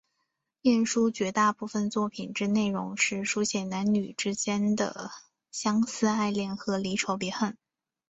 晏殊绝大部分作品之内容是抒写男女之间的相思爱恋和离愁别恨。